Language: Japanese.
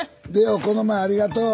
伶旺この前ありがとう。